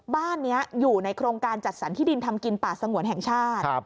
บ้านนี้อยู่ในโครงการจัดสรรที่ดินทำกินป่าสงวนแห่งชาติ